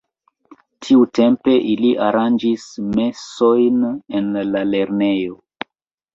Tiutempe ili aranĝis mesojn en la lernejo.